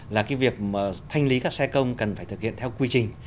là cái việc thanh lý các xe công cần phải thực hiện theo quy trình